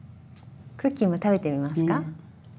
クッキーも食べてみますか？